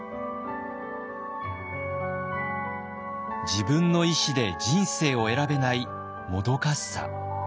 自分の意思で人生を選べないもどかしさ。